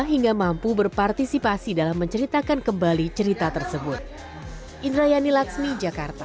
hingga mampu berpartisipasi dalam menceritakan kembali cerita tersebut indrayani laksmi jakarta